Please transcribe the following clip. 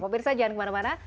pak pirsah jangan kemana mana